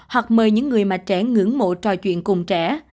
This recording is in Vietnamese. hoặc mời những người mà trẻ ngưỡng mộ trò chuyện cùng trẻ